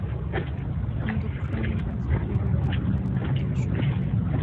اندوکراین برخه دوه ډوله هورمونونه ترشح کوي.